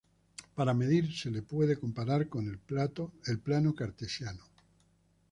Para medir se lo puede comparar con el plano cartesiano.